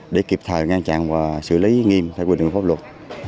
để kịp thời ngăn chặn và xử lý nghiêm theo quy định pháp luật